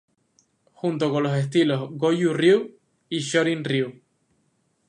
Junto con los estilos Goju Ryu, y Shorin Ryu.